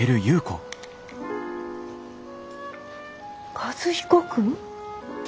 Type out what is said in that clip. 和彦君。